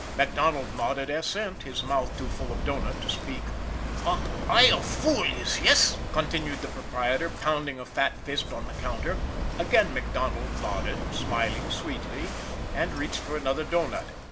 MacDonald nodded assent, his mouth too full of doughnut to speak. " Und I a fool iss, yess ?" continued the proprietor, pounding a fat fist on the counter. Again MacDonald nodded, smiling sweetly and reached for another doughnut.